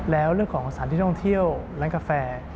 แล้วเรื่องของสถานที่ท่องเที่ยวร้านกาแฟ